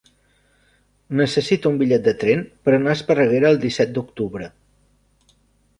Necessito un bitllet de tren per anar a Esparreguera el disset d'octubre.